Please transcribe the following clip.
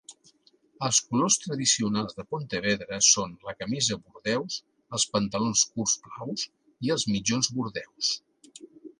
Els colors tradicionals de Pontevedra són la camisa bordeus, els pantalons curts blaus i els mitjons bordeus.